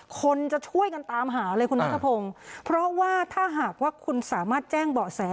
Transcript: คนจะช่วยกันตามหาเลยคุณนัทพงศ์เพราะว่าถ้าหากว่าคุณสามารถแจ้งเบาะแส